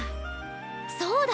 そうだ！